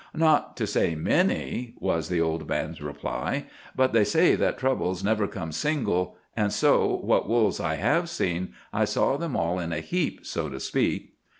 "'Not to say many,' was the old man's reply; 'but they say that troubles never come single, and so, what wolves I have seen, I saw them all in a heap, so to speak.